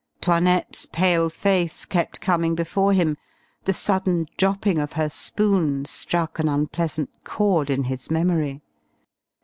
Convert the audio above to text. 'Toinette's pale face kept coming before him; the sudden dropping of her spoon struck an unpleasant chord in his memory.